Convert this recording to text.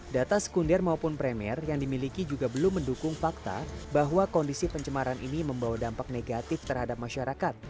data sekunder maupun premier yang dimiliki juga belum mendukung fakta bahwa kondisi pencemaran ini membawa dampak negatif terhadap masyarakat